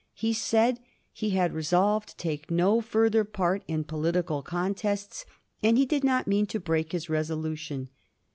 He said he had resolved to take no further part in poUtical contests, and he did not mean to break his resolution.